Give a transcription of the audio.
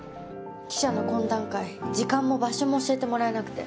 記者の懇談会時間も場所も教えてもらえなくて。